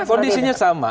iya kondisinya sama